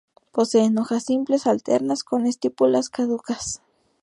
Poseen hojas simples, alternas, con estípulas caducas.